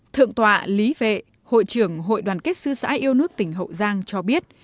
thượng tọa lý vệ hội trưởng hội đoàn kết sư sãi yêu nước tỉnh hậu giang cho biết